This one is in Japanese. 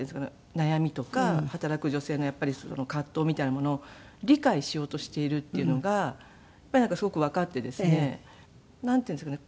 悩みとか働く女性のやっぱり葛藤みたいなものを理解しようとしているっていうのがやっぱりなんかすごくわかってですね。なんていうんですかね。